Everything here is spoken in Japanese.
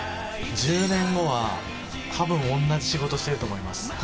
１０年後はたぶんおんなじ仕事してると思います。